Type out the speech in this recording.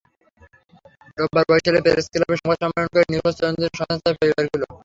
রোববার বরিশাল প্রেসক্লাবে সংবাদ সম্মেলন করে নিখোঁজ তরুণদের সন্ধান চায় পরিবারগুলো।